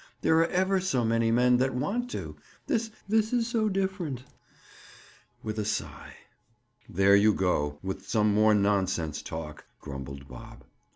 "There are ever so many men that want to. This—this is so different!" With a sigh. "There you go, with some more nonsense talk!" grumbled Bob.